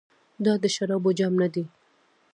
دا د شرابو جام ندی.